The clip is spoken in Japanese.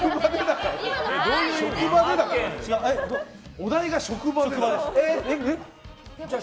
お題が職場でだよ。